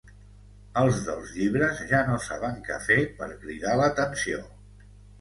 Els dels llibres ja no saben què fer per cridar l'atenció.